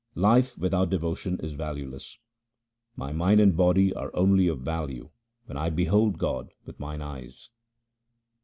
Life without devotion is valueless :— My mind and body are only of value when I behold God with mine eyes.